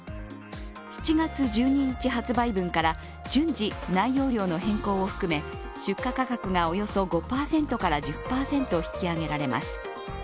７月１２日発売分から順次、内容量の変更を含め、出荷価格がおよそ５％から１０％引き上げられます。